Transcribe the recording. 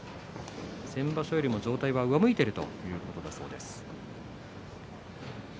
先場所よりも状態が上向いているということだそうです。